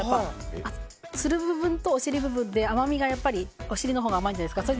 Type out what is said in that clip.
つる部分とお尻部分で甘みがやっぱりお尻のほうが甘いじゃないですか。